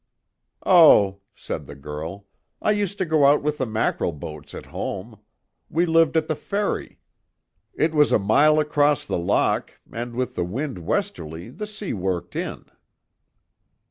"Oh!" said the girl, "I used to go out with the mackerel boats at home; we lived at the ferry. It was a mile across the lough, and with the wind westerly the sea worked in."